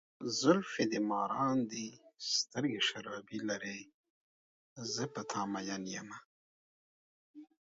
زلفې دې مارانو دي، سترګې شرابي لارې، زه په ته ماين یمه.